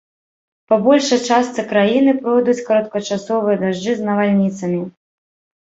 Па большай частцы краіны пройдуць кароткачасовыя дажджы з навальніцамі.